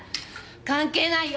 関係ないよ